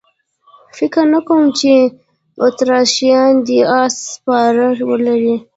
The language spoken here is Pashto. فکر نه کوم چې اتریشیان دې اس سپاره ولري.